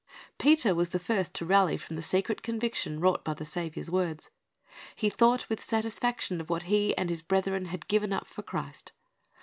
Peter was the first to rally from the secret conviction wrought by the Saviour's words. He thought with satisfac tion of what he and his brethren had '^ given up for Christ.